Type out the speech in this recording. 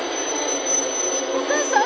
お母さん？